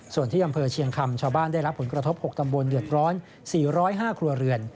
ส่วนที่อำเภอเชียงคำชาวบ้านได้รับผลกระทบ๖ตำบลเดือดร้อน๔๐๕ครัวเรือน